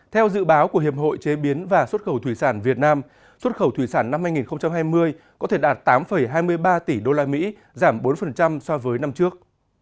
theo dự báo của hiệp hội chế biến và xuất khẩu thủy sản việt nam xuất khẩu thủy sản năm hai nghìn hai mươi có thể đạt tám hai mươi ba tỷ usd giảm bốn so với năm trước